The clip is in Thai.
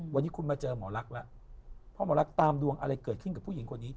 วันนี้คุณมาเจอหมอลักษณ์แล้วพ่อหมอรักตามดวงอะไรเกิดขึ้นกับผู้หญิงคนนี้